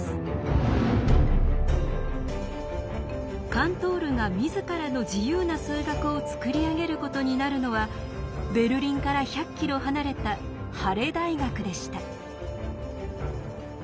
カントールが自らの自由な数学を作り上げることになるのはベルリンから１００キロ離れたハレ大学でした。